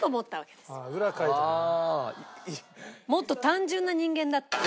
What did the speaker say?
もっと単純な人間だった。